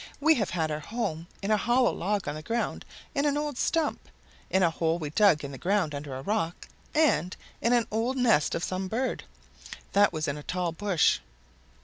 We have had our home in a hollow log on the ground, in an old stump, in a hole we dug in the ground under a rock, and in an old nest of some bird. That was in a tall bush.